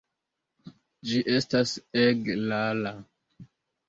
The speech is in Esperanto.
Ĝi estas ege rara.